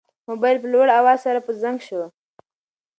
موبایل په لوړ اواز سره په زنګ شو.